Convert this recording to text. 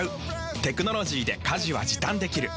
テクノロジーで家事は時短できる。